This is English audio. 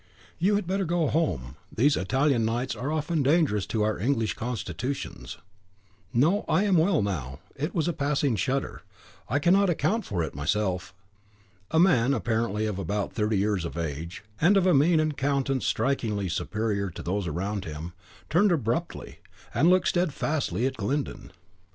You had better go home: these Italian nights are often dangerous to our English constitutions." "No, I am well now; it was a passing shudder. I cannot account for it myself." A man, apparently of about thirty years of age, and of a mien and countenance strikingly superior to those around him, turned abruptly, and looked steadfastly at Glyndon.